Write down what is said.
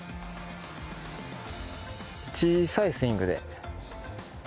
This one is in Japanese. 小さいスイングで。